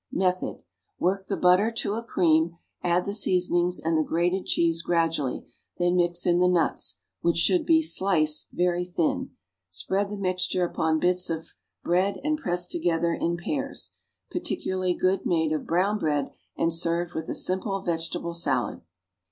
Method. Work the butter to a cream, add the seasonings and the grated cheese gradually; then mix in the nuts, which should be sliced very thin. Spread the mixture upon bits of bread and press together in pairs. Particularly good made of brownbread and served with a simple vegetable salad!